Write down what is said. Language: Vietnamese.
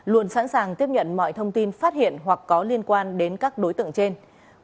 luôn sẵn sàng tiếp nhận mọi thông tin phát hiện hoặc có liên quan đến các đối tượng trên